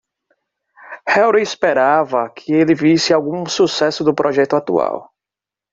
Harry esperava que ele visse algum sucesso do projeto atual.